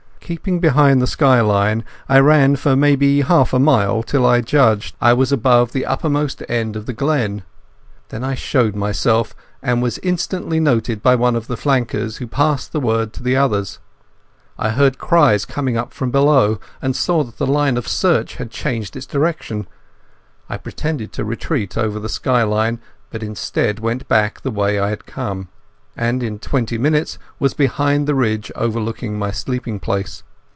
Keeping behind the skyline I ran for maybe half a mile, till I judged I was above the uppermost end of the glen. Then I showed myself, and was instantly noted by one of the flankers, who passed the word to the others. I heard cries coming up from below, and saw that the line of search had changed its direction. I pretended to retreat over the skyline, but instead went back the way I had come, and in twenty minutes was behind the ridge overlooking my sleeping place.